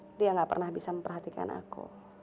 hai dia nggak pernah bisa memperhatikan aku